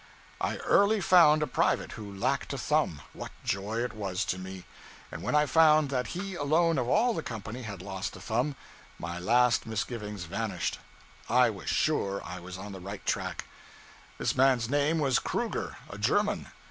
I early found a private who lacked a thumb what joy it was to me! And when I found that he alone, of all the company, had lost a thumb, my last misgiving vanished; I was _sure _I was on the right track. This man's name was Kruger, a German.